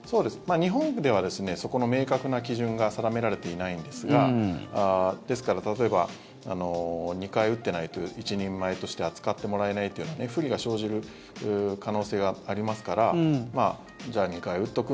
日本では、そこの明確な基準が定められていないんですがですから、例えば２回打っていないと一人前として扱ってもらえないというような不利が生じる可能性がありますからじゃあ、２回打っとく？